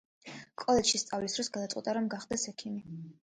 კოლეჯში სწავლის დროს გადაწყვიტა, რომ გახდეს ექიმი.